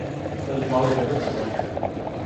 But his mother never surrendered.